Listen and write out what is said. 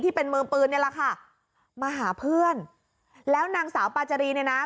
เป็นมือปืนนี่แหละค่ะมาหาเพื่อนแล้วนางสาวปาจารีเนี่ยนะ